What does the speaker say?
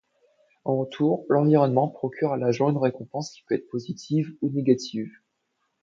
En retour, l'environnement procure à l'agent une récompense, qui peut être positive ou négative.